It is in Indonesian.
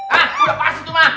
hah udah pas itu mah